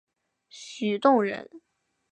许洞人。